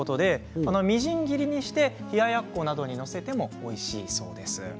みじん切りにして冷ややっこなどに載せてもおいしいそうです。